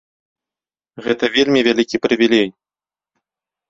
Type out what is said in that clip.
Гэта вельмі вялікі прывілей.